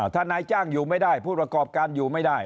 ถ้านายจ้างอยู่ไม่ได้ผู้ประกอบการอยู่ไม่ได้